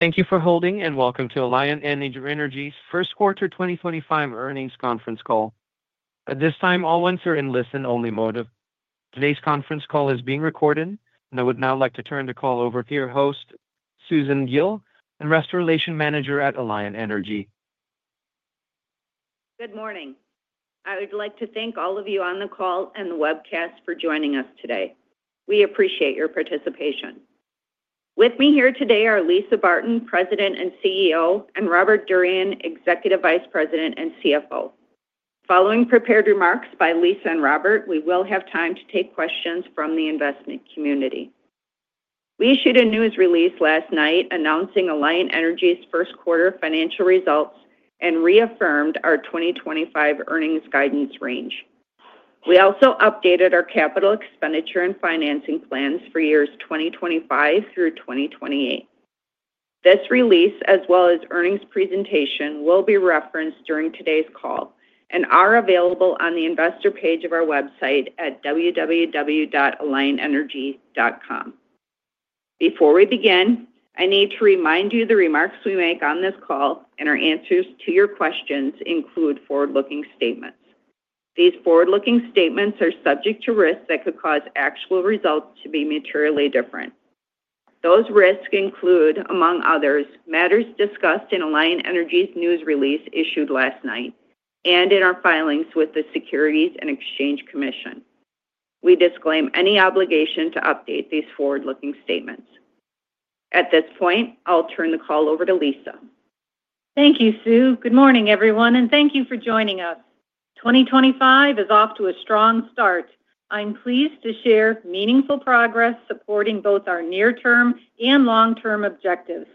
Thank you for holding, and welcome to Alliant Energy, First Quarter 2025 Earnings Conference Call. At this time, all answer and listen only mode. Today's conference call is being recorded, and I would now like to turn the call over to your host, Susan Gille, and Investor Relations Manager at Alliant Energy. Good morning. I would like to thank all of you on the call and the webcast for joining us today. We appreciate your participation. With me here today are Lisa Barton, President and CEO, and Robert Durian, Executive Vice President and CFO. Following prepared remarks by Lisa and Robert, we will have time to take questions from the investment community. We issued a news release last night announcing Alliant Energy's first quarter financial results and reaffirmed our 2025 earnings guidance range. We also updated our capital expenditure and financing plans for years 2025 through 2028. This release, as well as earnings presentation, will be referenced during today's call and are available on the investor page of our website at www.alliantenergy.com. Before we begin, I need to remind you the remarks we make on this call and our answers to your questions include forward-looking statements. These forward-looking statements are subject to risks that could cause actual results to be materially different. Those risks include, among others, matters discussed in Alliant Energy's news release issued last night and in our filings with the U.S. Securities and Exchange Commission. We disclaim any obligation to update these forward-looking statements. At this point, I'll turn the call over to Lisa. Thank you, Sue. Good morning, everyone, and thank you for joining us. 2025 is off to a strong start. I'm pleased to share meaningful progress supporting both our near-term and long-term objectives,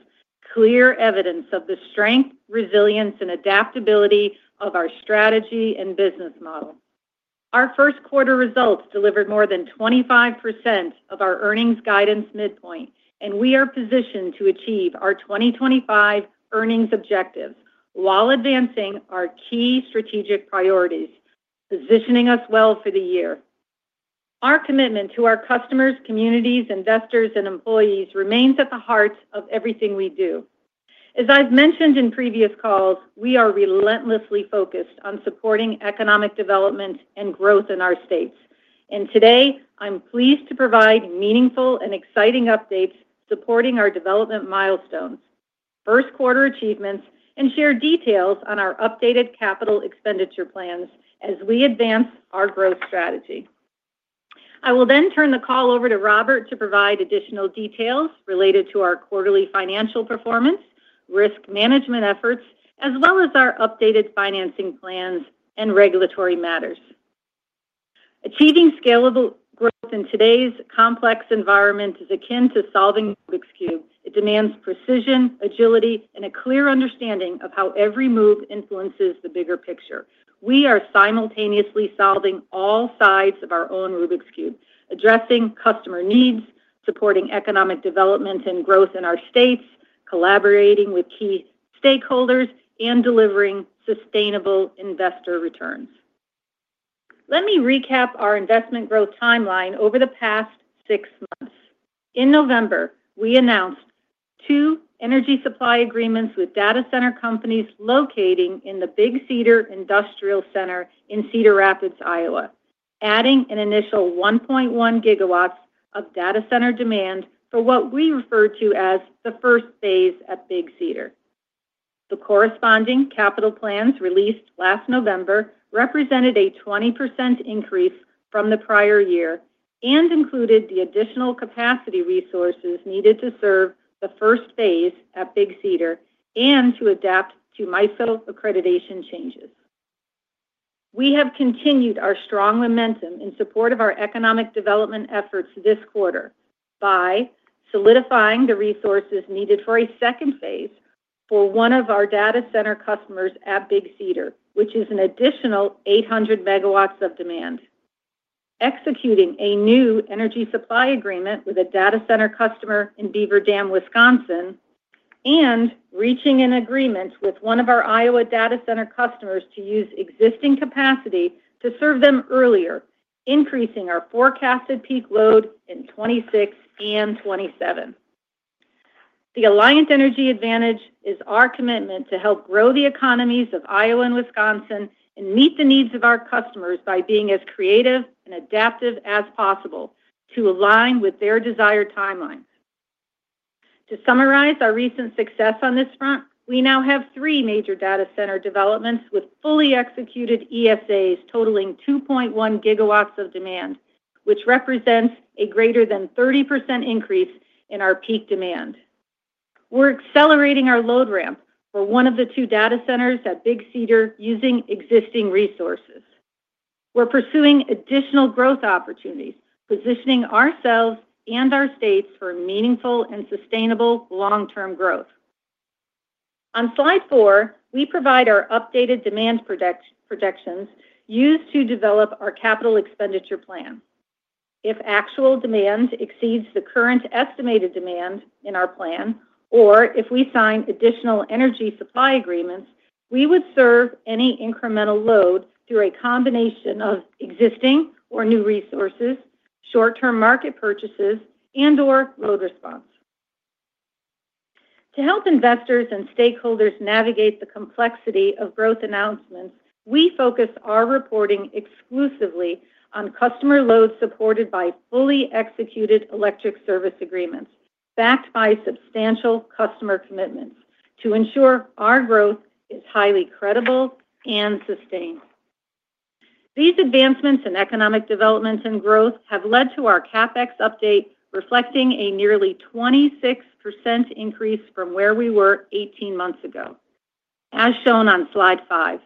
clear evidence of the strength, resilience, and adaptability of our strategy and business model. Our first quarter results delivered more than 25% of our earnings guidance midpoint, and we are positioned to achieve our 2025 earnings objectives while advancing our key strategic priorities, positioning us well for the year. Our commitment to our customers, communities, investors, and employees remains at the heart of everything we do. As I've mentioned in previous calls, we are relentlessly focused on supporting economic development and growth in our states. Today, I'm pleased to provide meaningful and exciting updates supporting our development milestones, first quarter achievements, and share details on our updated capital expenditure plans as we advance our growth strategy. I will then turn the call over to Robert to provide additional details related to our quarterly financial performance, risk management efforts, as well as our updated financing plans and regulatory matters. Achieving scalable growth in today's complex environment is akin to solving a Rubik's Cube. It demands precision, agility, and a clear understanding of how every move influences the bigger picture. We are simultaneously solving all sides of our own Rubik's Cube, addressing customer needs, supporting economic development and growth in our states, collaborating with key stakeholders, and delivering sustainable investor returns. Let me recap our investment growth timeline over the past six months. In November, we announced two energy supply agreements with data center companies locating in the Big Cedar Industrial Center in Cedar Rapids, Iowa, adding an initial 1.1 GW of data center demand for what we refer to as the first phase at Big Cedar. The corresponding capital plans released last November represented a 20% increase from the prior year and included the additional capacity resources needed to serve the first phase at Big Cedar and to adapt to MISO accreditation changes. We have continued our strong momentum in support of our economic development efforts this quarter by solidifying the resources needed for a second phase for one of our data center customers at Big Cedar, which is an additional 800 MW of demand, executing a new energy supply agreement with a data center customer in Beaver Dam, Wisconsin, and reaching an agreement with one of our Iowa data center customers to use existing capacity to serve them earlier, increasing our forecasted peak load in 2026 and 2027. The Alliant Energy advantage is our commitment to help grow the economies of Iowa and Wisconsin and meet the needs of our customers by being as creative and adaptive as possible to align with their desired timelines. To summarize our recent success on this front, we now have three major data center developments with fully executed ESAs totaling 2.1 GW of demand, which represents a greater than 30% increase in our peak demand. We're accelerating our load ramp for one of the two data centers at Big Cedar using existing resources. We're pursuing additional growth opportunities, positioning ourselves and our states for meaningful and sustainable long-term growth. On slide four, we provide our updated demand projections used to develop our capital expenditure plan. If actual demand exceeds the current estimated demand in our plan, or if we sign additional energy supply agreements, we would serve any incremental load through a combination of existing or new resources, short-term market purchases, and/or load response. To help investors and stakeholders navigate the complexity of growth announcements, we focus our reporting exclusively on customer loads supported by fully executed electric service agreements backed by substantial customer commitments to ensure our growth is highly credible and sustained. These advancements in economic development and growth have led to our CapEx update reflecting a nearly 26% increase from where we were 18 months ago, as shown on slide five.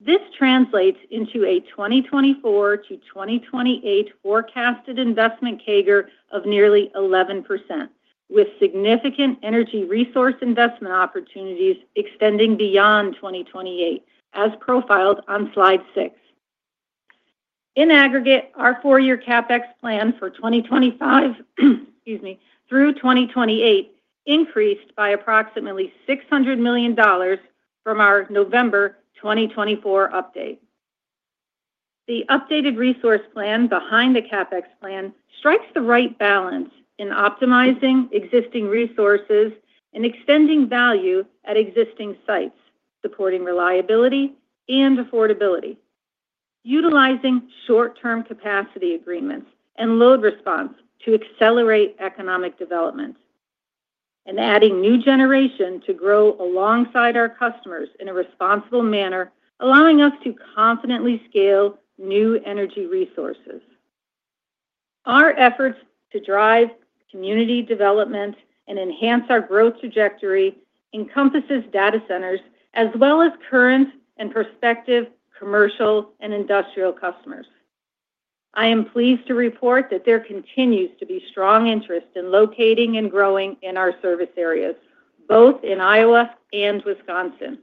This translates into a 2024 to 2028 forecasted investment CAGR of nearly 11%, with significant energy resource investment opportunities extending beyond 2028, as profiled on slide six. In aggregate, our four-year CapEx plan for 2025, excuse me, through 2028, increased by approximately $600 million from our November 2024 update. The updated resource plan behind the CapEx plan strikes the right balance in optimizing existing resources and extending value at existing sites, supporting reliability and affordability, utilizing short-term capacity agreements and load response to accelerate economic development, and adding new generation to grow alongside our customers in a responsible manner, allowing us to confidently scale new energy resources. Our efforts to drive community development and enhance our growth trajectory encompass data centers as well as current and prospective commercial and industrial customers. I am pleased to report that there continues to be strong interest in locating and growing in our service areas, both in Iowa and Wisconsin.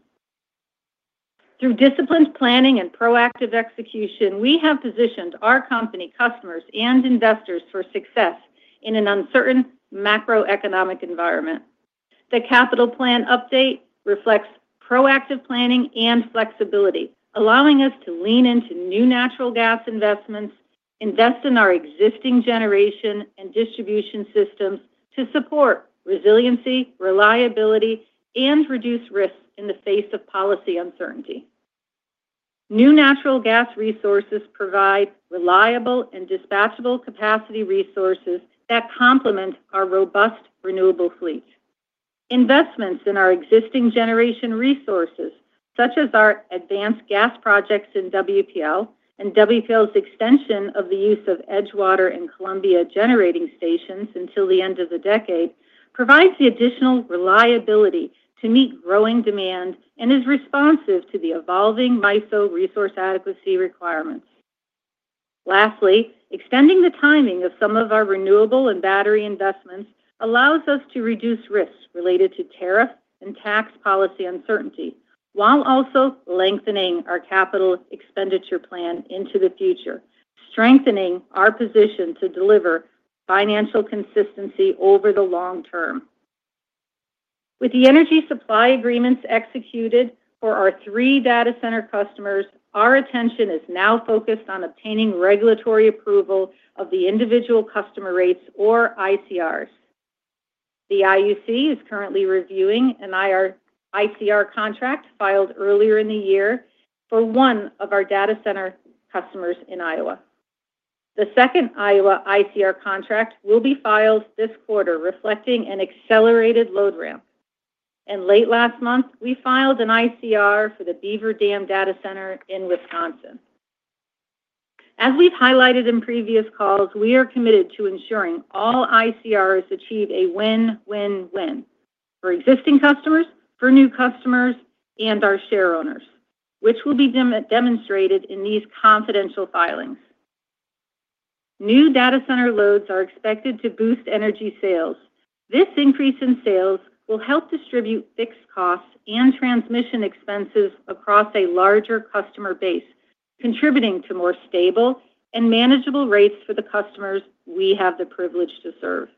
Through disciplined planning and proactive execution, we have positioned our company, customers, and investors for success in an uncertain macroeconomic environment. The capital plan update reflects proactive planning and flexibility, allowing us to lean into new natural gas investments, invest in our existing generation and distribution systems to support resiliency, reliability, and reduce risks in the face of policy uncertainty. New natural gas resources provide reliable and dispatchable capacity resources that complement our robust renewable fleet. Investments in our existing generation resources, such as our advanced gas projects in WPL and WPL's extension of the use of Edgewater and Columbia Generating Stations until the end of the decade, provide the additional reliability to meet growing demand and are responsive to the evolving MISO resource adequacy requirements. Lastly, extending the timing of some of our renewable and battery investments allows us to reduce risks related to tariff and tax policy uncertainty while also lengthening our capital expenditure plan into the future, strengthening our position to deliver financial consistency over the long term. With the energy supply agreements executed for our three data center customers, our attention is now focused on obtaining regulatory approval of the individual customer rates, or ICRs. The IUC is currently reviewing an ICR contract filed earlier in the year for one of our data center customers in Iowa. The second Iowa ICR contract will be filed this quarter, reflecting an accelerated load ramp. Late last month, we filed an ICR for the Beaver Dam data center in Wisconsin. As we've highlighted in previous calls, we are committed to ensuring all ICRs achieve a win-win-win for existing customers, for new customers, and our share owners, which will be demonstrated in these confidential filings. New data center loads are expected to boost energy sales. This increase in sales will help distribute fixed costs and transmission expenses across a larger customer base, contributing to more stable and manageable rates for the customers we have the privilege to serve.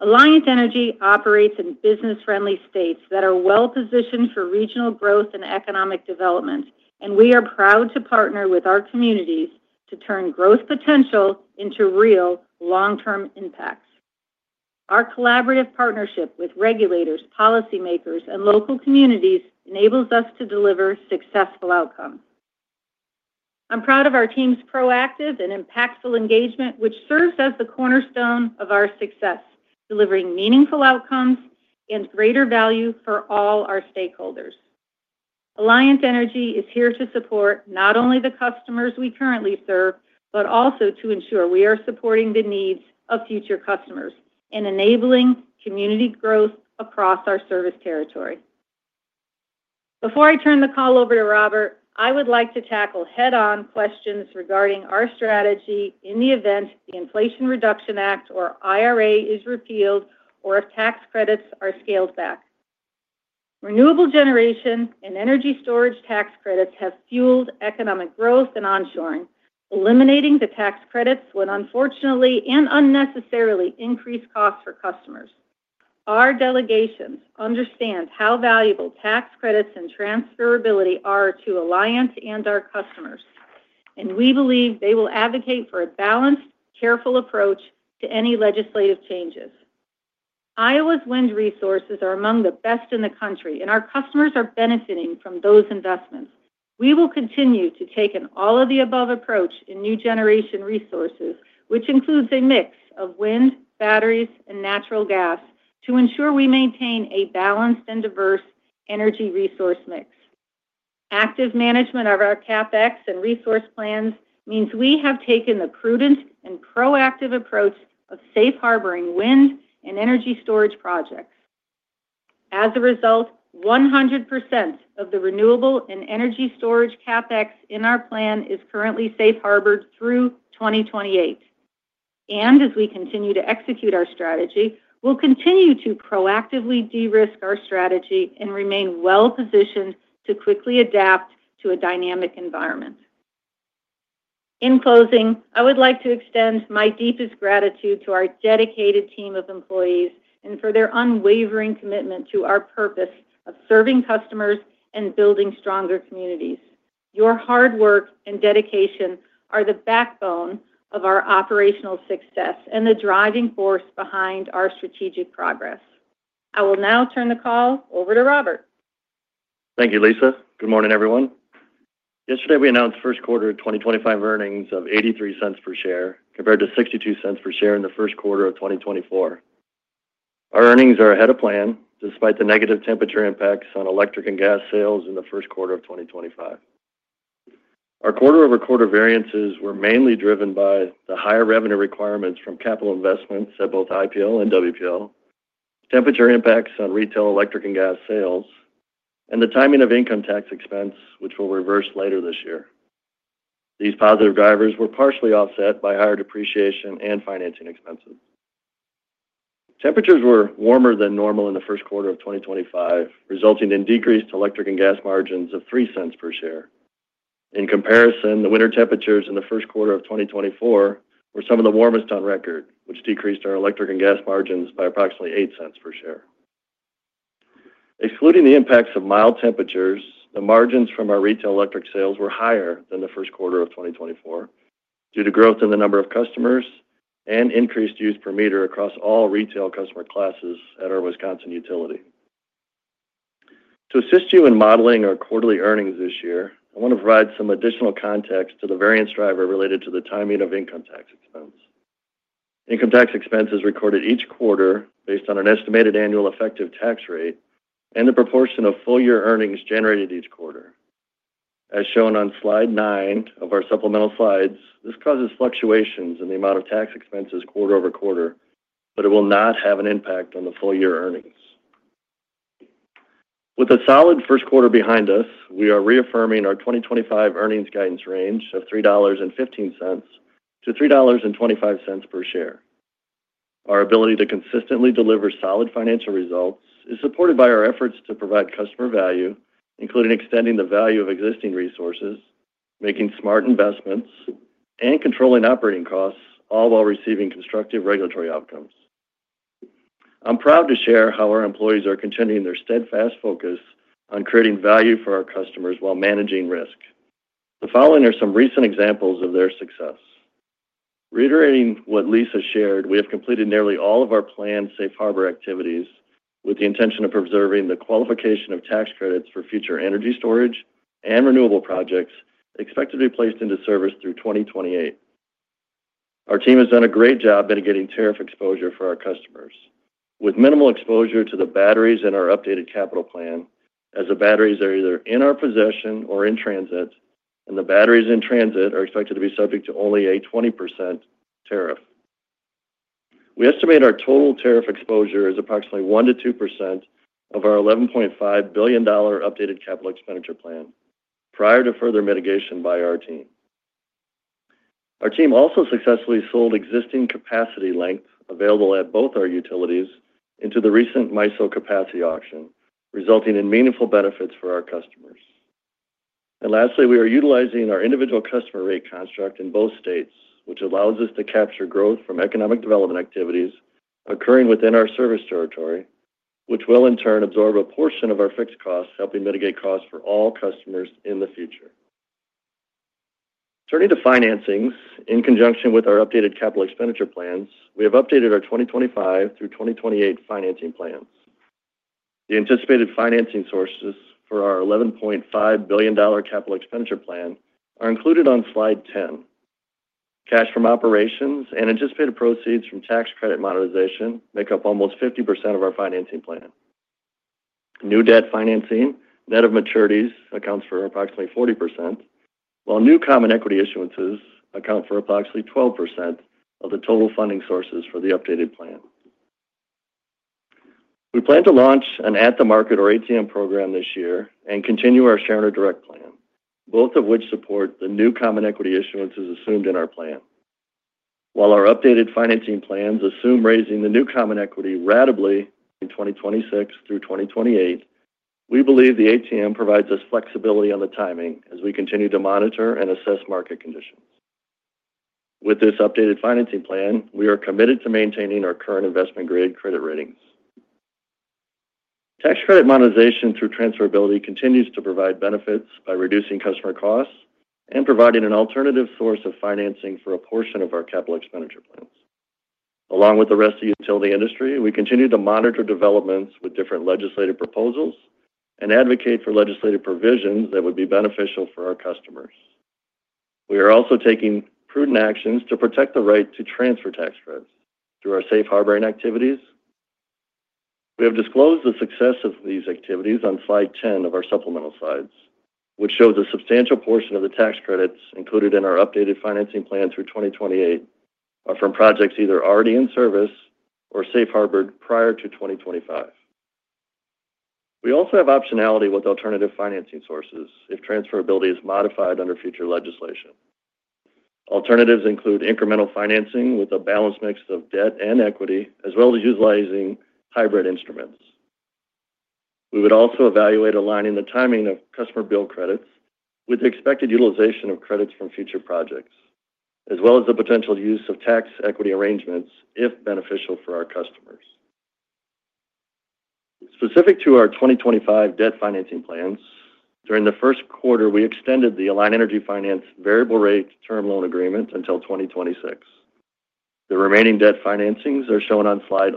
Alliant Energy operates in business-friendly states that are well-positioned for regional growth and economic development, and we are proud to partner with our communities to turn growth potential into real long-term impacts. Our collaborative partnership with regulators, policymakers, and local communities enables us to deliver successful outcomes. I'm proud of our team's proactive and impactful engagement, which serves as the cornerstone of our success, delivering meaningful outcomes and greater value for all our stakeholders. Alliant Energy is here to support not only the customers we currently serve, but also to ensure we are supporting the needs of future customers and enabling community growth across our service territory. Before I turn the call over to Robert, I would like to tackle head-on questions regarding our strategy in the event the Inflation Reduction Act, or IRA, is repealed or if tax credits are scaled back. Renewable generation and energy storage tax credits have fueled economic growth and onshoring, eliminating the tax credits would unfortunately and unnecessarily increase costs for customers. Our delegations understand how valuable tax credits and transferability are to Alliant and our customers, and we believe they will advocate for a balanced, careful approach to any legislative changes. Iowa's wind resources are among the best in the country, and our customers are benefiting from those investments. We will continue to take an all-of-the-above approach in new generation resources, which includes a mix of wind, batteries, and natural gas to ensure we maintain a balanced and diverse energy resource mix. Active management of our CapEx and resource plans means we have taken the prudent and proactive approach of safe harboring wind and energy storage projects. As a result, 100% of the renewable and energy storage CapEx in our plan is currently safe harbored through 2028. As we continue to execute our strategy, we'll continue to proactively de-risk our strategy and remain well-positioned to quickly adapt to a dynamic environment. In closing, I would like to extend my deepest gratitude to our dedicated team of employees and for their unwavering commitment to our purpose of serving customers and building stronger communities. Your hard work and dedication are the backbone of our operational success and the driving force behind our strategic progress. I will now turn the call over to Robert. Thank you, Lisa. Good morning, everyone. Yesterday, we announced first quarter 2025 earnings of $0.83 per share compared to $0.62 per share in the first quarter of 2024. Our earnings are ahead of plan despite the negative temperature impacts on electric and gas sales in the first quarter of 2025. Our quarter-over-quarter variances were mainly driven by the higher revenue requirements from capital investments at both IPL and WPL, temperature impacts on retail electric and gas sales, and the timing of income tax expense, which we'll reverse later this year. These positive drivers were partially offset by higher depreciation and financing expenses. Temperatures were warmer than normal in the first quarter of 2025, resulting in decreased electric and gas margins of $0.03 per share. In comparison, the winter temperatures in the first quarter of 2024 were some of the warmest on record, which decreased our electric and gas margins by approximately $0.08 per share. Excluding the impacts of mild temperatures, the margins from our retail electric sales were higher than the first quarter of 2024 due to growth in the number of customers and increased use per meter across all retail customer classes at our Wisconsin utility. To assist you in modeling our quarterly earnings this year, I want to provide some additional context to the variance driver related to the timing of income tax expense. Income tax expenses are recorded each quarter based on an estimated annual effective tax rate and the proportion of full-year earnings generated each quarter. As shown on slide nine of our supplemental slides, this causes fluctuations in the amount of tax expenses quarter over quarter, but it will not have an impact on the full-year earnings. With a solid first quarter behind us, we are reaffirming our 2025 earnings guidance range of $3.15-$3.25 per share. Our ability to consistently deliver solid financial results is supported by our efforts to provide customer value, including extending the value of existing resources, making smart investments, and controlling operating costs, all while receiving constructive regulatory outcomes. I'm proud to share how our employees are continuing their steadfast focus on creating value for our customers while managing risk. The following are some recent examples of their success. Reiterating what Lisa shared, we have completed nearly all of our planned safe harbor activities with the intention of preserving the qualification of tax credits for future energy storage and renewable projects expected to be placed into service through 2028. Our team has done a great job mitigating tariff exposure for our customers. With minimal exposure to the batteries in our updated capital plan, as the batteries are either in our possession or in transit, and the batteries in transit are expected to be subject to only a 20% tariff. We estimate our total tariff exposure is approximately 1-2% of our $11.5 billion updated capital expenditure plan prior to further mitigation by our team. Our team also successfully sold existing capacity length available at both our utilities into the recent MISO capacity auction, resulting in meaningful benefits for our customers. We are utilizing our individual customer rate construct in both states, which allows us to capture growth from economic development activities occurring within our service territory, which will in turn absorb a portion of our fixed costs, helping mitigate costs for all customers in the future. Turning to financing, in conjunction with our updated capital expenditure plans, we have updated our 2025 through 2028 financing plans. The anticipated financing sources for our $11.5 billion capital expenditure plan are included on slide 10. Cash from operations and anticipated proceeds from tax credit monetization make up almost 50% of our financing plan. New debt financing, net of maturities, accounts for approximately 40%, while new common equity issuances account for approximately 12% of the total funding sources for the updated plan. We plan to launch an at-the-market or ATM program this year and continue our shareholder direct plan, both of which support the new common equity issuances assumed in our plan. While our updated financing plans assume raising the new common equity radically in 2026 through 2028, we believe the ATM provides us flexibility on the timing as we continue to monitor and assess market conditions. With this updated financing plan, we are committed to maintaining our current investment-grade credit ratings. Tax credit monetization through transferability continues to provide benefits by reducing customer costs and providing an alternative source of financing for a portion of our capital expenditure plans. Along with the rest of the utility industry, we continue to monitor developments with different legislative proposals and advocate for legislative provisions that would be beneficial for our customers. We are also taking prudent actions to protect the right to transfer tax credits through our safe harboring activities. We have disclosed the success of these activities on slide 10 of our supplemental slides, which shows a substantial portion of the tax credits included in our updated financing plan through 2028 are from projects either already in service or safe harbored prior to 2025. We also have optionality with alternative financing sources if transferability is modified under future legislation. Alternatives include incremental financing with a balanced mix of debt and equity, as well as utilizing hybrid instruments. We would also evaluate aligning the timing of customer bill credits with the expected utilization of credits from future projects, as well as the potential use of tax equity arrangements if beneficial for our customers. Specific to our 2025 debt financing plans, during the first quarter, we extended the Alliant Energy Finance variable rate term loan agreement until 2026. The remaining debt financings are shown on slide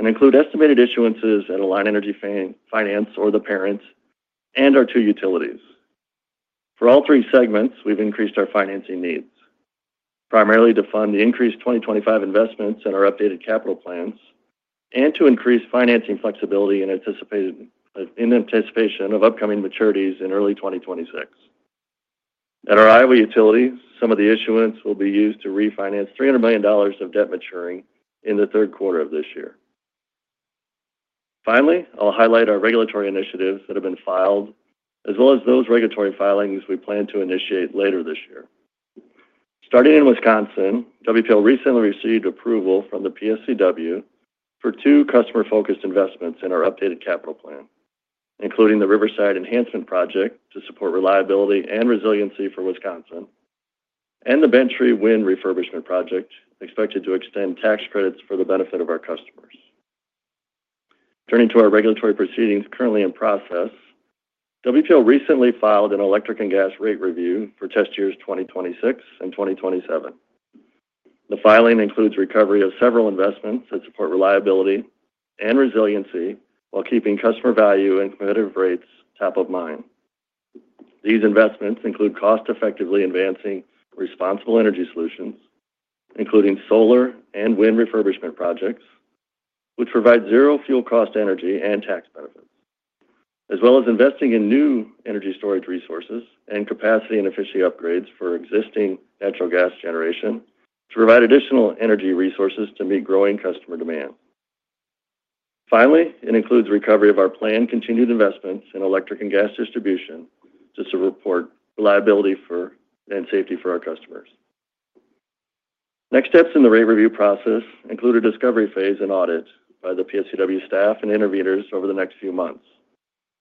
11 and include estimated issuances at Alliant Energy Finance or the parent and our two utilities. For all three segments, we've increased our financing needs, primarily to fund the increased 2025 investments in our updated capital plans and to increase financing flexibility in anticipation of upcoming maturities in early 2026. At our Iowa utilities, some of the issuance will be used to refinance $300 million of debt maturing in the third quarter of this year. Finally, I'll highlight our regulatory initiatives that have been filed, as well as those regulatory filings we plan to initiate later this year. Starting in Wisconsin, WPL recently received approval from the PSCW for two customer-focused investments in our updated capital plan, including the Riverside Enhancement Project to support reliability and resiliency for Wisconsin and the Bentry Wind Refurbishment Project expected to extend tax credits for the benefit of our customers. Turning to our regulatory proceedings currently in process, WPL recently filed an electric and gas rate review for test years 2026 and 2027. The filing includes recovery of several investments that support reliability and resiliency while keeping customer value and competitive rates top of mind. These investments include cost-effectively advancing responsible energy solutions, including solar and wind refurbishment projects, which provide zero fuel-cost energy and tax benefits, as well as investing in new energy storage resources and capacity and efficiency upgrades for existing natural gas generation to provide additional energy resources to meet growing customer demand. Finally, it includes recovery of our planned continued investments in electric and gas distribution just to support reliability and safety for our customers. Next steps in the rate review process include a discovery phase and audit by the PSCW staff and intervenors over the next few months,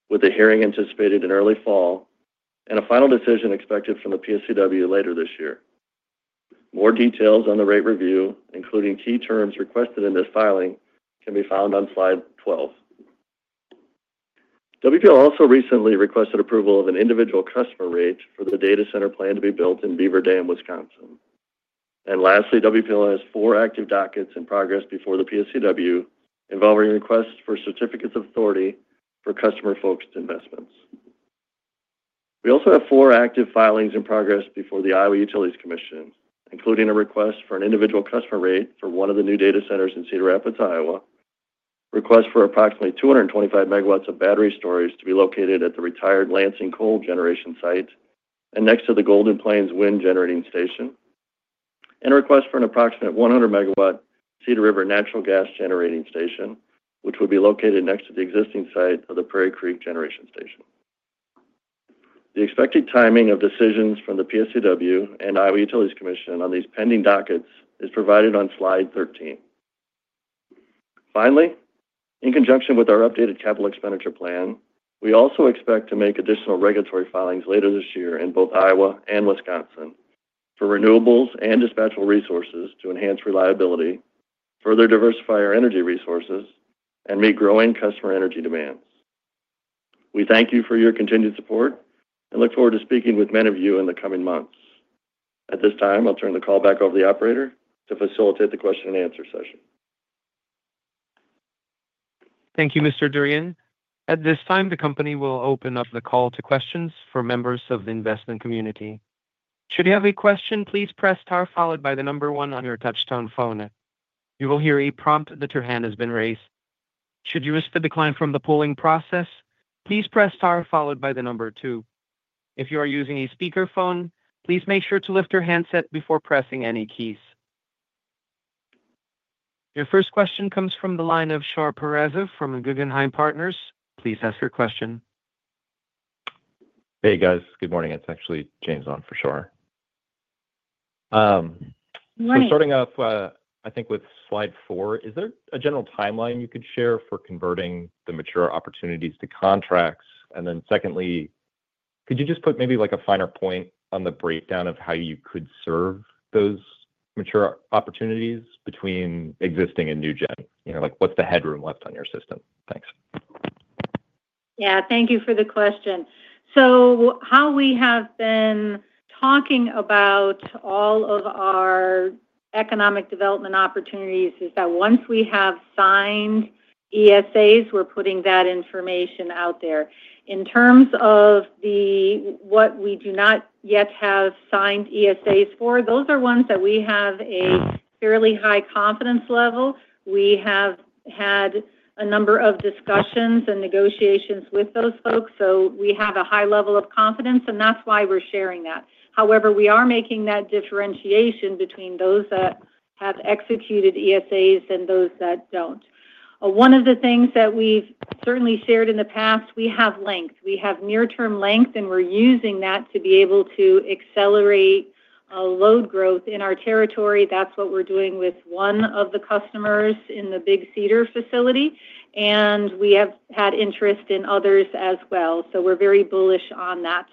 with a hearing anticipated in early fall and a final decision expected from the PSCW later this year. More details on the rate review, including key terms requested in this filing, can be found on slide 12. WPL also recently requested approval of an individual customer rate for the data center plan to be built in Beaver Dam, Wisconsin. Lastly, WPL has four active dockets in progress before the PSCW involving requests for certificates of authority for customer-focused investments. We also have four active filings in progress before the Iowa Utilities Commission, including a request for an individual customer rate for one of the new data centers in Cedar Rapids, Iowa, a request for approximately 225 MW of battery storage to be located at the retired Lansing Coal Generation site and next to the Golden Plains Wind Generating Station, and a request for an approximate 100 MW Cedar River natural gas generating station, which would be located next to the existing site of the Prairie Creek Generation Station. The expected timing of decisions from the PSCW and Iowa Utilities Commission on these pending dockets is provided on slide 13. Finally, in conjunction with our updated capital expenditure plan, we also expect to make additional regulatory filings later this year in both Iowa and Wisconsin for renewables and dispatchable resources to enhance reliability, further diversify our energy resources, and meet growing customer energy demands. We thank you for your continued support and look forward to speaking with many of you in the coming months. At this time, I'll turn the call back over to the operator to facilitate the question-and-answer session. Thank you, Mr. Durian. At this time, the company will open up the call to questions for members of the investment community. Should you have a question, please press star followed by the number one on your touchstone phone. You will hear a prompt that your hand has been raised. Should you risk the decline from the polling process, please press star followed by the number two. If you are using a speakerphone, please make sure to lift your handset before pressing any keys. Your first question comes from the line of Shar Pourreza from Guggenheim Partners. Please ask your question. Hey, guys. Good morning. It is actually James on for Shar. Starting off, I think, with slide four, is there a general timeline you could share for converting the mature opportunities to contracts? Secondly, could you just put maybe a finer point on the breakdown of how you could serve those mature opportunities between existing and new gen? What is the headroom left on your system? Thanks. Yeah. Thank you for the question. How we have been talking about all of our economic development opportunities is that once we have signed ESAs, we're putting that information out there. In terms of what we do not yet have signed ESAs for, those are ones that we have a fairly high confidence level. We have had a number of discussions and negotiations with those folks, so we have a high level of confidence, and that's why we're sharing that. However, we are making that differentiation between those that have executed ESAs and those that do not. One of the things that we've certainly shared in the past, we have length. We have near-term length, and we're using that to be able to accelerate load growth in our territory. That's what we're doing with one of the customers in the Big Cedar facility, and we have had interest in others as well. We're very bullish on that.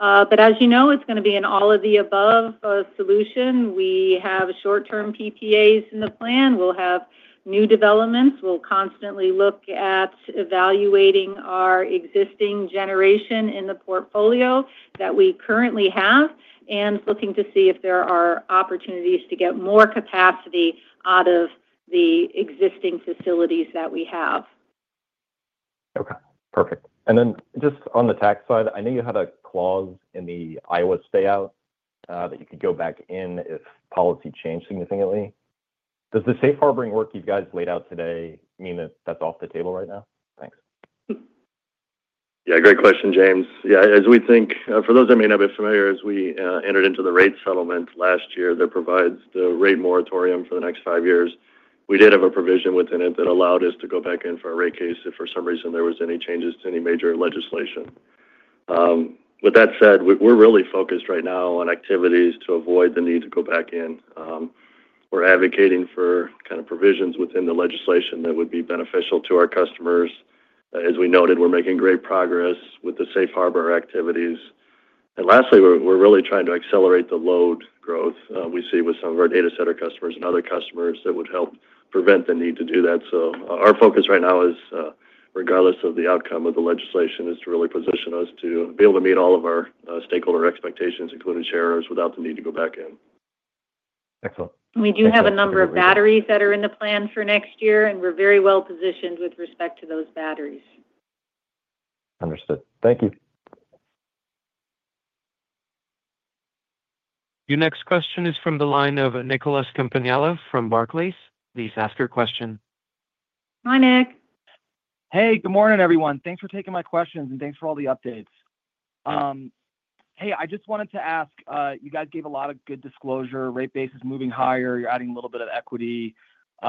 As you know, it's going to be an all of the above solution. We have short-term PPAs in the plan. We'll have new developments. We'll constantly look at evaluating our existing generation in the portfolio that we currently have and looking to see if there are opportunities to get more capacity out of the existing facilities that we have. Okay. Perfect. Then just on the tax side, I know you had a clause in the Iowa stay-out that you could go back in if policy changed significantly. Does the safe harboring work you guys laid out today mean that that's off the table right now? Thanks. Yeah. Great question, James. Yeah. As we think, for those that may not be familiar, as we entered into the rate settlement last year that provides the rate moratorium for the next five years, we did have a provision within it that allowed us to go back in for a rate case if for some reason there were any changes to any major legislation. With that said, we're really focused right now on activities to avoid the need to go back in. We're advocating for kind of provisions within the legislation that would be beneficial to our customers. As we noted, we're making great progress with the safe harbor activities. Lastly, we're really trying to accelerate the load growth we see with some of our data center customers and other customers that would help prevent the need to do that. Our focus right now is, regardless of the outcome of the legislation, to really position us to be able to meet all of our stakeholder expectations, including shareholders, without the need to go back in. Excellent. We do have a number of batteries that are in the plan for next year, and we're very well positioned with respect to those batteries. Understood. Thank you. Your next question is from the line of Nicholas Campaniello from Barclays. Please ask your question. Hi, Nick. Hey. Good morning, everyone. Thanks for taking my questions and thanks for all the updates. Hey, I just wanted to ask, you guys gave a lot of good disclosure. Rate base is moving higher. You're adding a little bit of equity.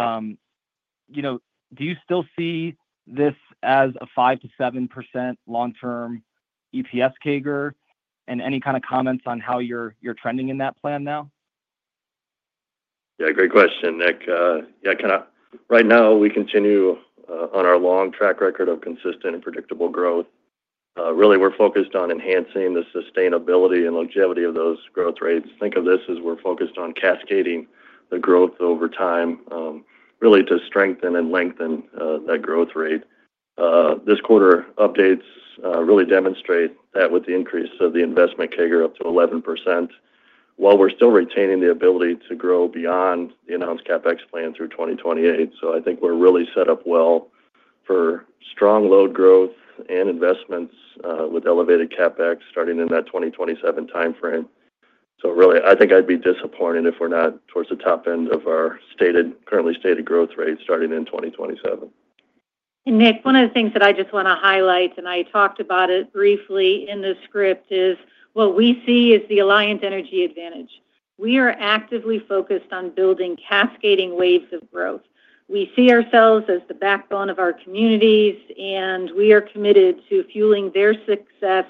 Do you still see this as a 5-7% long-term EPS CAGR and any kind of comments on how you're trending in that plan now? Yeah. Great question, Nick. Yeah. Right now, we continue on our long track record of consistent and predictable growth. Really, we're focused on enhancing the sustainability and longevity of those growth rates. Think of this as we're focused on cascading the growth over time really to strengthen and lengthen that growth rate. This quarter updates really demonstrate that with the increase of the investment CAGR up to 11%, while we're still retaining the ability to grow beyond the announced CapEx plan through 2028. I think we're really set up well for strong load growth and investments with elevated CapEx starting in that 2027 timeframe. I think I'd be disappointed if we're not towards the top end of our currently stated growth rate starting in 2027. Nick, one of the things that I just want to highlight, and I talked about it briefly in the script, is what we see is the Alliant Energy Advantage. We are actively focused on building cascading waves of growth. We see ourselves as the backbone of our communities, and we are committed to fueling their success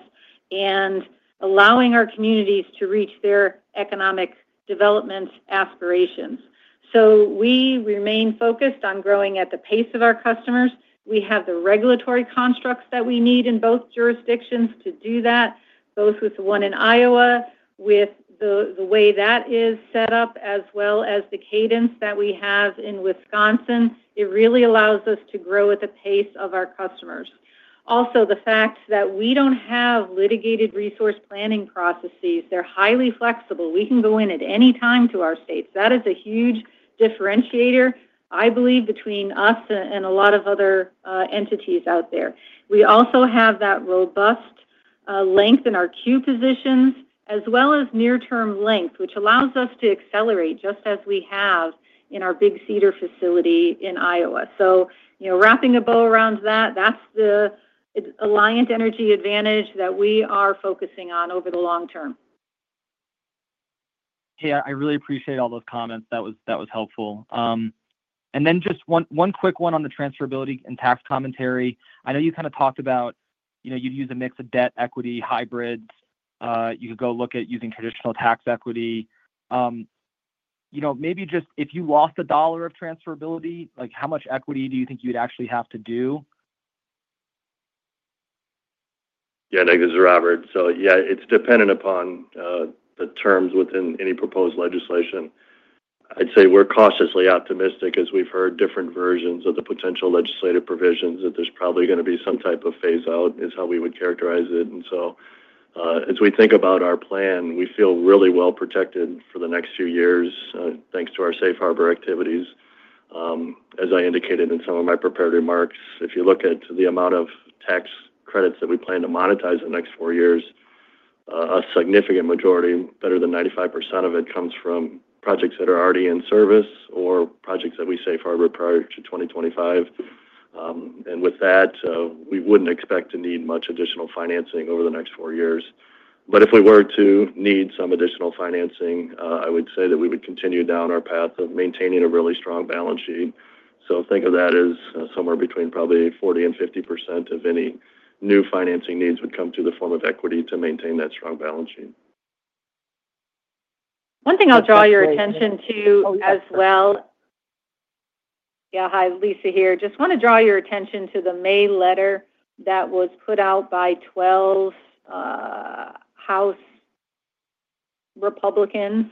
and allowing our communities to reach their economic development aspirations. We remain focused on growing at the pace of our customers. We have the regulatory constructs that we need in both jurisdictions to do that, both with the one in Iowa, with the way that is set up, as well as the cadence that we have in Wisconsin. It really allows us to grow at the pace of our customers. Also, the fact that we do not have litigated resource planning processes, they are highly flexible. We can go in at any time to our states. That is a huge differentiator, I believe, between us and a lot of other entities out there. We also have that robust length in our queue positions, as well as near-term length, which allows us to accelerate just as we have in our Big Cedar facility in Iowa. Wrapping a bow around that, that is the Alliant Energy Advantage that we are focusing on over the long term. Hey, I really appreciate all those comments. That was helpful. One quick one on the transferability and tax commentary. I know you kind of talked about you would use a mix of debt equity hybrids. You could go look at using traditional tax equity. Maybe just if you lost a dollar of transferability, how much equity do you think you'd actually have to do? Yeah. I guess it's a robbery. So yeah, it's dependent upon the terms within any proposed legislation. I'd say we're cautiously optimistic as we've heard different versions of the potential legislative provisions that there's probably going to be some type of phase-out is how we would characterize it. As we think about our plan, we feel really well protected for the next few years thanks to our safe harbor activities. As I indicated in some of my prepared remarks, if you look at the amount of tax credits that we plan to monetize in the next four years, a significant majority, better than 95% of it, comes from projects that are already in service or projects that we safe harbor prior to 2025. With that, we would not expect to need much additional financing over the next four years. If we were to need some additional financing, I would say that we would continue down our path of maintaining a really strong balance sheet. Think of that as somewhere between probably 40%-50% of any new financing needs would come through the form of equity to maintain that strong balance sheet. One thing I will draw your attention to as well. Yeah. Hi, Lisa here. Just want to draw your attention to the May letter that was put out by 12 House Republicans.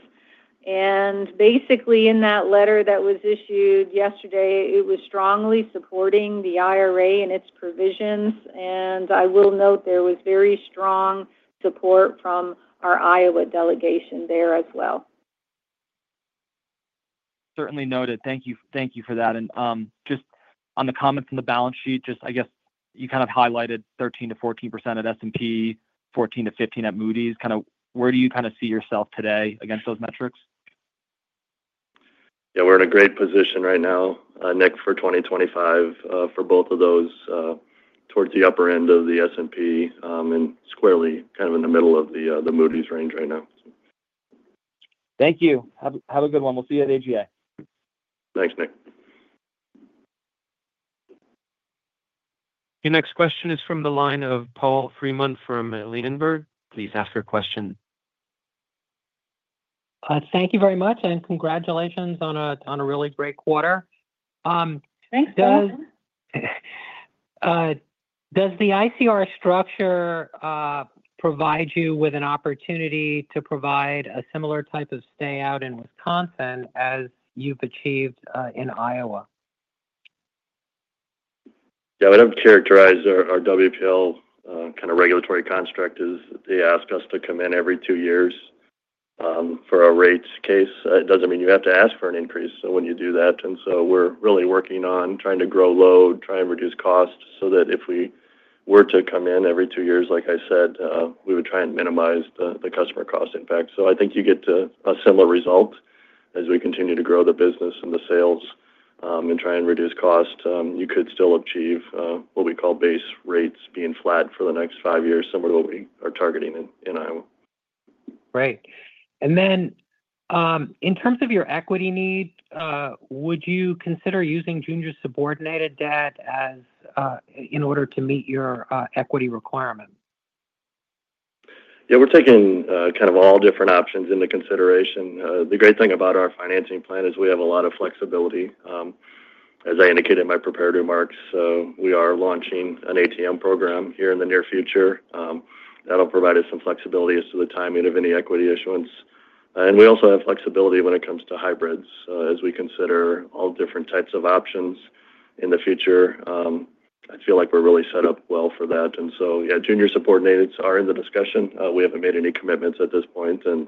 Basically, in that letter that was issued yesterday, it was strongly supporting the IRA and its provisions. I will note there was very strong support from our Iowa delegation there as well. Certainly noted. Thank you for that. Just on the comments on the balance sheet, I guess you kind of highlighted 13-14% at S&P, 14-15% at Moody's. Kind of where do you see yourself today against those metrics? Yeah. We're in a great position right now, Nick, for 2025, for both of those towards the upper end of the S&P and squarely kind of in the middle of the Moody's range right now. Thank you. Have a good one. We'll see you at AGI. Thanks, Nick. Your next question is from the line of Paul Freeman from Ladenburg. Please ask your question. Thank you very much, and congratulations on a really great quarter. Thanks, guys. Does the ICR structure provide you with an opportunity to provide a similar type of stay-out in Wisconsin as you've achieved in Iowa? Yeah. We do not characterize our WPL kind of regulatory construct as they ask us to come in every two years for a rates case. It does not mean you have to ask for an increase when you do that. We are really working on trying to grow load, trying to reduce costs so that if we were to come in every two years, like I said, we would try and minimize the customer cost impact. I think you get a similar result as we continue to grow the business and the sales and try and reduce costs. You could still achieve what we call base rates being flat for the next five years, similar to what we are targeting in Iowa. Great. In terms of your equity need, would you consider using junior subordinated debt in order to meet your equity requirement? Yeah. We're taking kind of all different options into consideration. The great thing about our financing plan is we have a lot of flexibility. As I indicated in my prepared remarks, we are launching an ATM program here in the near future. That'll provide us some flexibility as to the timing of any equity issuance. We also have flexibility when it comes to hybrids as we consider all different types of options in the future. I feel like we're really set up well for that. Yeah, junior subordinates are in the discussion. We haven't made any commitments at this point, and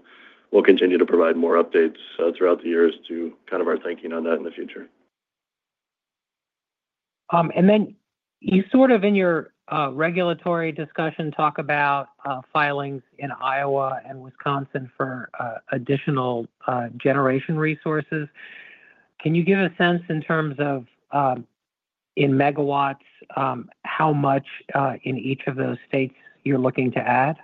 we'll continue to provide more updates throughout the years to kind of our thinking on that in the future. You sort of in your regulatory discussion talk about filings in Iowa and Wisconsin for additional generation resources. Can you give a sense in terms of in megawatts how much in each of those states you're looking to add?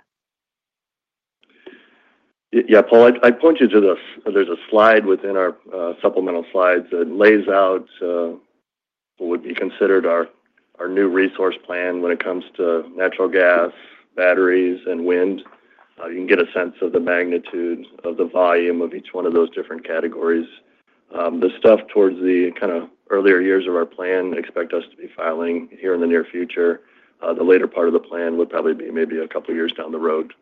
Yeah. Paul, I point you to this. There's a slide within our supplemental slides that lays out what would be considered our new resource plan when it comes to natural gas, batteries, and wind. You can get a sense of the magnitude of the volume of each one of those different categories. The stuff towards the kind of earlier years of our plan expect us to be filing here in the near future. The later part of the plan would probably be maybe a couple of years down the road.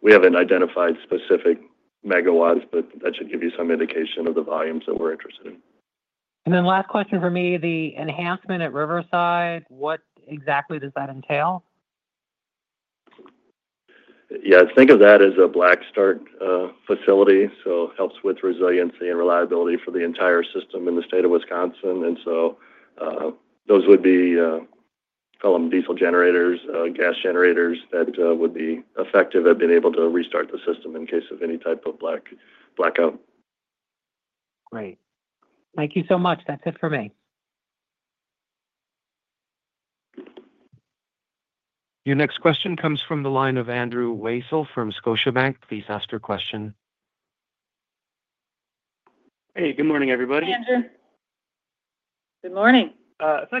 We haven't identified specific megawatts, but that should give you some indication of the volumes that we're interested in. And then last question for me, the enhancement at Riverside, what exactly does that entail? Yeah. Think of that as a black start facility. It helps with resiliency and reliability for the entire system in the state of Wisconsin. Those would be, call them, diesel generators, gas generators that would be effective at being able to restart the system in case of any type of blackout. Great. Thank you so much. That's it for me. Your next question comes from the line of Andrew Weisel from Scotiabank. Please ask your question. Hey. Good morning, everybody. Hey, Andrew. Good morning. If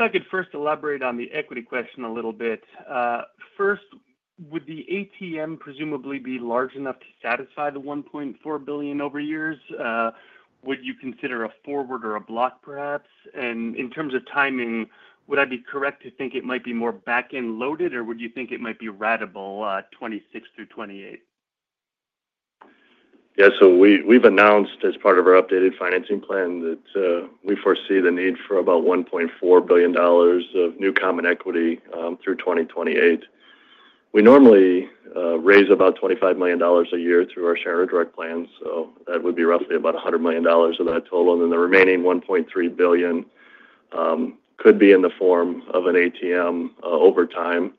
I could first elaborate on the equity question a little bit. First, would the ATM presumably be large enough to satisfy the $1.4 billion over years? Would you consider a forward or a block, perhaps? In terms of timing, would I be correct to think it might be more back-end loaded, or would you think it might be ratable 2026 through 2028? Yeah. We have announced as part of our updated financing plan that we foresee the need for about $1.4 billion of new common equity through 2028. We normally raise about $25 million a year through our shareholder direct plans. That would be roughly about $100 million of that total. The remaining $1.3 billion could be in the form of an ATM over time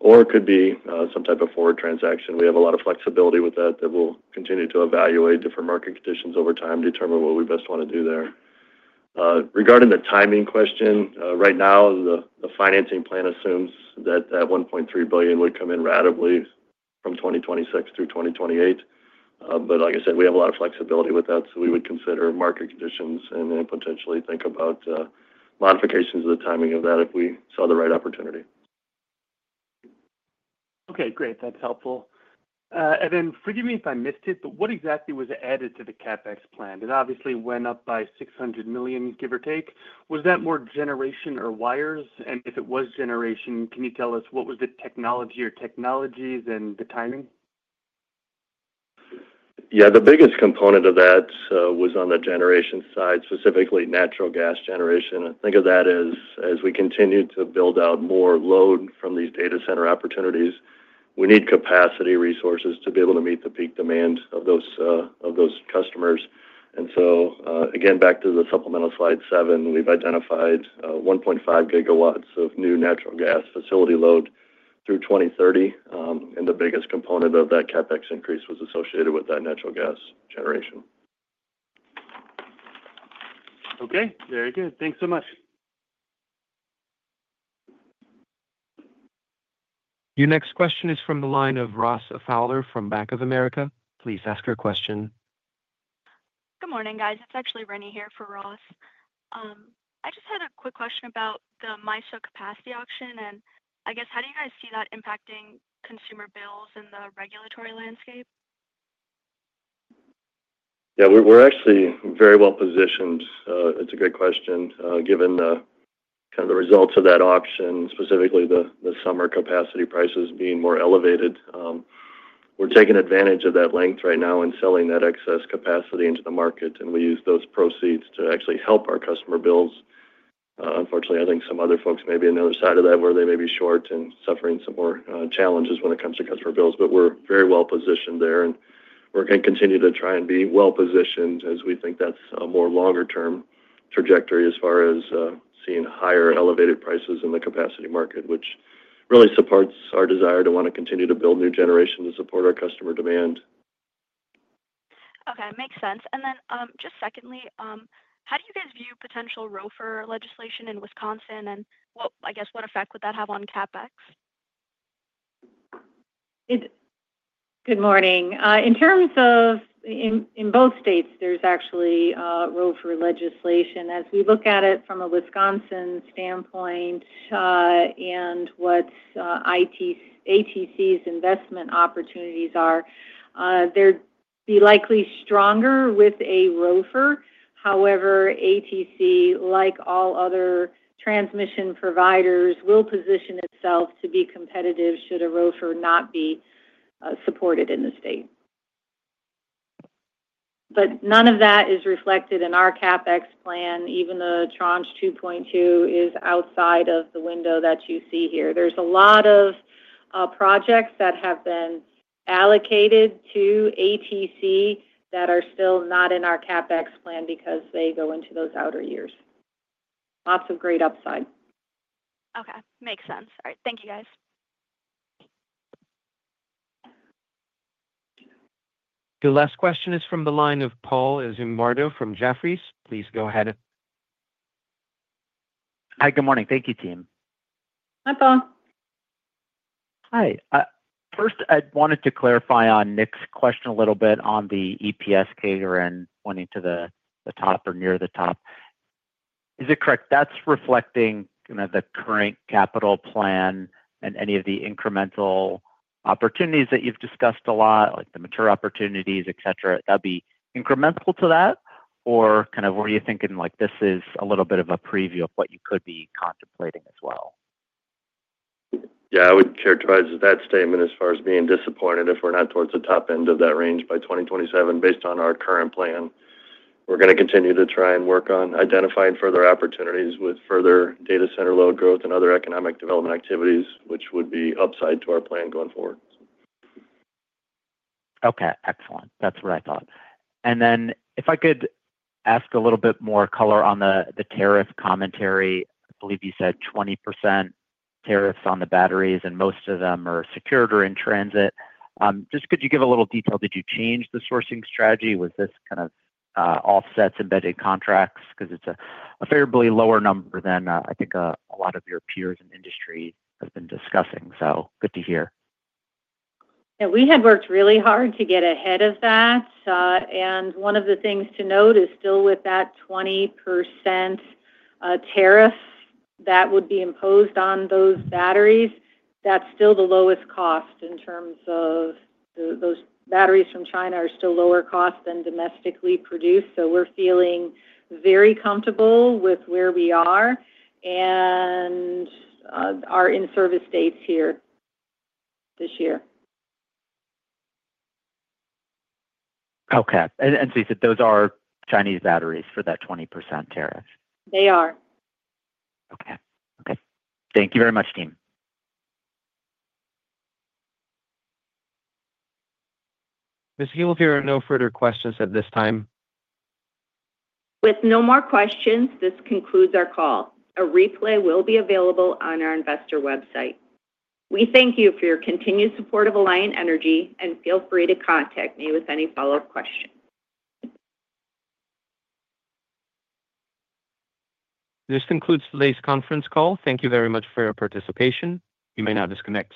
or could be some type of forward transaction. We have a lot of flexibility with that and we will continue to evaluate different market conditions over time to determine what we best want to do there. Regarding the timing question, right now, the financing plan assumes that $1.3 billion would come in ratably from 2026 through 2028. Like I said, we have a lot of flexibility with that. We would consider market conditions and then potentially think about modifications of the timing of that if we saw the right opportunity. Okay. Great. That's helpful. Forgive me if I missed it, but what exactly was added to the CapEx plan? It obviously went up by $600 million, give or take. Was that more generation or wires? If it was generation, can you tell us what was the technology or technologies and the timing? Yeah. The biggest component of that was on the generation side, specifically natural gas generation. Think of that as we continue to build out more load from these data center opportunities. We need capacity resources to be able to meet the peak demand of those customers. Again, back to the supplemental slide seven, we've identified 1.5 GW of new natural gas facility load through 2030. The biggest component of that CapEx increase was associated with that natural gas generation. Okay. Very good. Thanks so much. Your next question is from the line of Ross Fowler from Bank of America. Please ask your question. Good morning, guys. It's actually Renee here for Ross. I just had a quick question about the MISO capacity auction. I guess, how do you guys see that impacting consumer bills in the regulatory landscape? Yeah. We're actually very well positioned. It's a great question. Given kind of the results of that auction, specifically the summer capacity prices being more elevated, we're taking advantage of that length right now and selling that excess capacity into the market. We use those proceeds to actually help our customer bills. Unfortunately, I think some other folks may be on the other side of that where they may be short and suffering some more challenges when it comes to customer bills. We are very well positioned there. We are going to continue to try and be well positioned as we think that is a more longer-term trajectory as far as seeing higher elevated prices in the capacity market, which really supports our desire to want to continue to build new generation to support our customer demand. Okay. Makes sense. Then just secondly, how do you guys view potential ROFR legislation in Wisconsin? I guess, what effect would that have on CapEx? Good morning. In both states, there is actually ROFR legislation. As we look at it from a Wisconsin standpoint and what ATC's investment opportunities are, they are likely stronger with a ROFR. However, ATC, like all other transmission providers, will position itself to be competitive should a ROFR not be supported in the state. None of that is reflected in our CapEx plan, even though tranche 2.2 is outside of the window that you see here. There are a lot of projects that have been allocated to ATC that are still not in our CapEx plan because they go into those outer years. Lots of great upside. Okay. Makes sense. All right. Thank you, guys. Your last question is from the line of Paul Zimbardo from Jefferies. Please go ahead. Hi. Good morning. Thank you, team. Hi, Paul. Hi. First, I wanted to clarify on Nick's question a little bit on the EPS CAGR and pointing to the top or near the top. Is it correct that's reflecting kind of the current capital plan and any of the incremental opportunities that you've discussed a lot, like the mature opportunities, etc.? That would be incremental to that? Or were you thinking this is a little bit of a preview of what you could be contemplating as well? Yeah. I would characterize that statement as far as being disappointed if we're not towards the top end of that range by 2027. Based on our current plan, we're going to continue to try and work on identifying further opportunities with further data center load growth and other economic development activities, which would be upside to our plan going forward. Okay. Excellent. That's what I thought. If I could ask a little bit more color on the tariff commentary. I believe you said 20% tariffs on the batteries, and most of them are secured or in transit. Just could you give a little detail? Did you change the sourcing strategy? Was this kind of offsets embedded contracts? Because it is a fairly lower number than I think a lot of your peers in industry have been discussing. Good to hear. Yeah. We have worked really hard to get ahead of that. One of the things to note is still with that 20% tariff that would be imposed on those batteries, that is still the lowest cost in terms of those batteries from China are still lower cost than domestically produced. We are feeling very comfortable with where we are and our in-service states here this year. Okay. You said those are Chinese batteries for that 20% tariff? They are. Okay. Thank you very much, team. Ms. Gille, if you have no further questions at this time. With no more questions, this concludes our call. A replay will be available on our investor website. We thank you for your continued support of Alliant Energy, and feel free to contact me with any follow-up questions. This concludes today's conference call. Thank you very much for your participation. You may now disconnect.